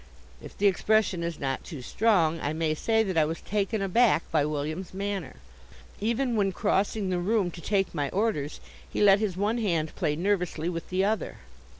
If the expression is not too strong, I may say that I was taken aback by William's manner. Even when crossing the room to take my orders he let his one hand play nervously with the other.